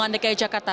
penguatan dki jakarta